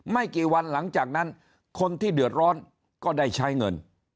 ไม่กี่วันหลังจากนั้นคนที่เดือดร้อนก็ได้ใช้เงิน